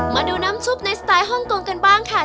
มาดูน้ำซุปในสไตล์ฮ่องกงกันบ้างค่ะ